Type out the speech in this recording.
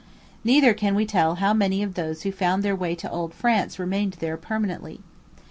Neither can we tell how many of those who found their way to Old France remained there permanently.